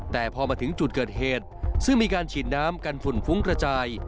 แต่พอมาถึงจุดเกิดเหตุซึ่งมีการฉีดน้ำกันฝุ่นฟุ้งกระจาย